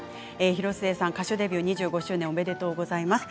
広末さん歌手デビュー２５周年おめでとうございます